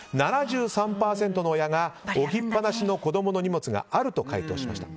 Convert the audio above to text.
７３％の親が置きっぱなしの子供の荷物があると回答しました。